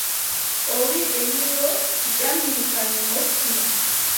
O wiʼi ɓe ni yoo , jam min kam mi mofti mon.